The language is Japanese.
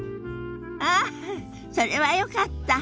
ああそれはよかった。